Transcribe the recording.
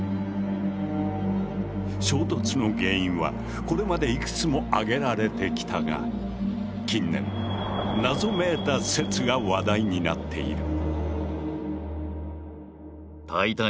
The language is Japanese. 衝突の原因はこれまでいくつもあげられてきたが近年謎めいた説が話題になっている。